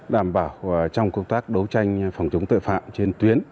đảm bảo trong công tác đấu tranh phòng chống tội phạm trên tuyến